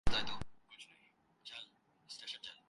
وہ دانستہ ان پہلوئوں کی نقاب کشائی سے گریزاں ہے۔